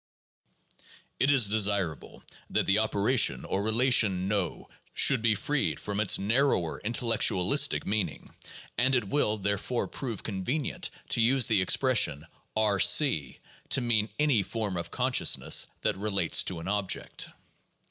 It is desirable that the operation or relation "know" should be freed from its narrower intelleetualistic meaning; and it will, therefore, prove convenient to use the expression R c , to mean any form of conscious ness that relates to an object.